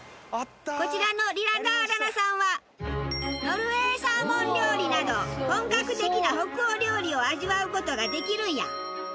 こちらのリラ・ダーラナさんはノルウェーサーモン料理など本格的な北欧料理を味わう事ができるんや。